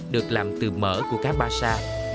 được làm từ mỡ của cá ba sa